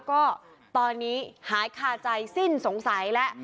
ก็ตอนนี้หายคาใจสิ้นสงสัยแล้ว